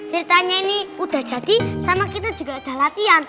ceritanya ini udah jadi sama kita juga udah latihan